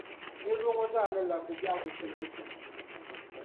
niriba ŋɔ zaa ni lab’ bɛ biɛhigu shee ni suhudoo.